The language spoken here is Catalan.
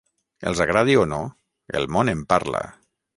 Els agradi o no, el món en parla.